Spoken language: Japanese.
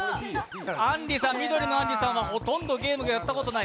緑のあんりさんはほとんどゲームをやったことがない。